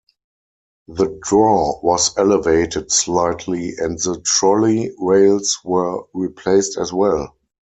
The draw was elevated slightly and the trolley rails were replaced as well.